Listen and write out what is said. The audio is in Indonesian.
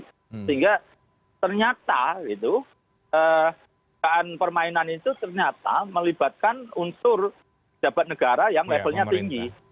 sehingga ternyata dugaan permainan itu ternyata melibatkan unsur jabat negara yang levelnya tersentuh